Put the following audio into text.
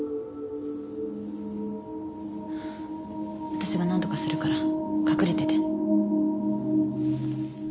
私がなんとかするから隠れてて。